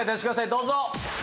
どうぞ！